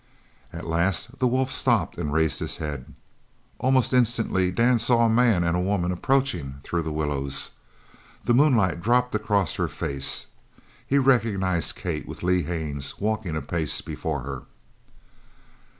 At last the wolf stopped and raised his head. Almost instantly Dan saw a man and a woman approaching through the willows. The moonlight dropped across her face. He recognized Kate, with Lee Haines walking a pace before her.